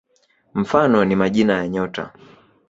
Mfano ni majina ya nyota.